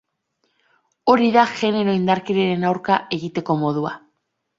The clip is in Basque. Hori da genero indarkeriaren aurka egiteko modua.